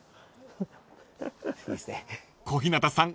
［小日向さん